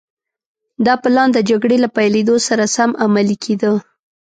دا پلان د جګړې له پيلېدو سره سم عملي کېده.